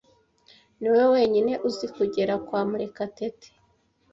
Niwowe wenyine uzi kugera kwa Murekatete.